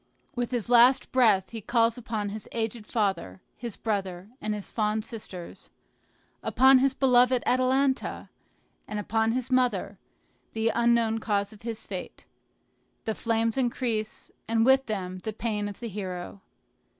With his last breath he calls upon his aged father, his brother, and his fond sisters, upon his beloved Atalanta, and upon his mother, the unknown cause of his fate. The flames increase, and with them the pain of the hero.